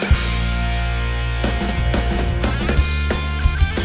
ya yaudah jadi keeper aja ya